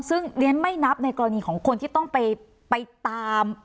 ซึ่งเรียนไม่นับในกรณีของคนที่ต้องไปตาม